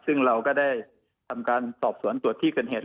ซึ่งเราก็ได้ทำการสอบสวนตรวจที่เกิดเหตุ